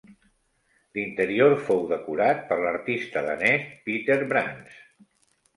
L'interior fou decorat per l'artista danès Peter Brandes.